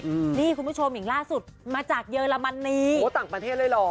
อืมนี่คุณผู้ชมอย่างล่าสุดมาจากเยอรมนีโอ้ต่างประเทศเลยเหรอ